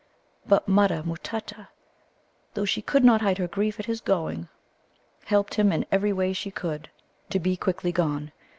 But Mutta matutta, though she could not hide her grief at his going, helped him in every way she could to be quickly gone.